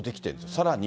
さらに。